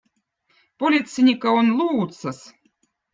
politseinikkõ on Luuttsõz